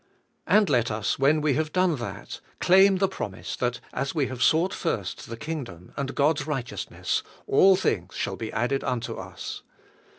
And let us when we have done that, claim the promise, that as we have sought lirst the kingdom and God's righteousness, all things shall be added unto us.